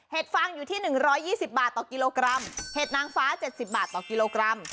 ฟังอยู่ที่๑๒๐บาทต่อกิโลกรัมเห็ดนางฟ้า๗๐บาทต่อกิโลกรัม